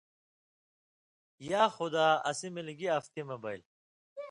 یا خُدا اسی ملیۡ گی افتی مہ بَیل